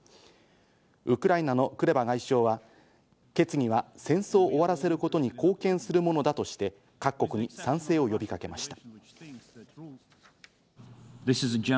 ウクライナのクレバ外相は、決議は戦争を終わらせることに貢献するものだとして、各国に賛成を呼びかけました。